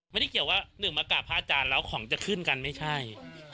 ไม่ได้เกี่ยวว่าหนึ่งมากราบพระอาจารย์แล้วของจะขึ้นกันไม่ใช่